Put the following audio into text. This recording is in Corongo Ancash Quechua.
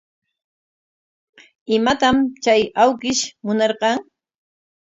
¿Imatam chay awkish munarqan?